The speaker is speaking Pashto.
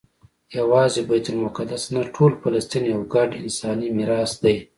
یوازې بیت المقدس نه ټول فلسطین یو ګډ انساني میراث دی.